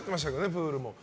プールも。